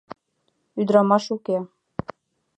— Ӱдырамаш уке.